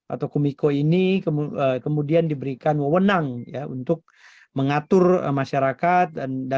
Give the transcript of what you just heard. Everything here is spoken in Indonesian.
atau kumiko ini kemudian diberikan mewenang ya untuk mengatur masyarakat